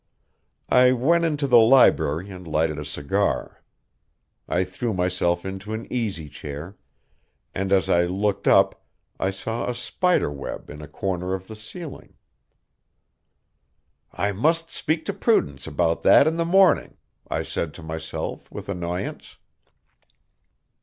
I went into the library and lighted a cigar. I threw myself into an easy chair, and as I looked up I saw a spider web in a corner of the ceiling. "I must speak to Prudence about that in the morning," I said to myself with annoyance.